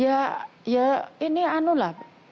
ya ya ini anulah